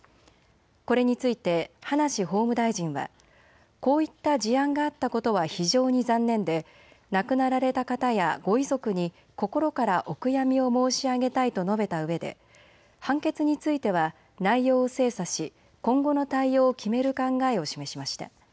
これについて葉梨法務大臣はこういった事案があったことは非常に残念で亡くなられた方やご遺族に心からお悔やみを申し上げたいと述べたうえで判決については内容を精査し今後の対応を決める考えを示しました。